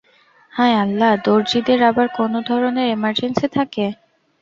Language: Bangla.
হায় আল্লাহ, দর্জিদের আবার কোন ধরনের ইমার্জেন্সি থাকে?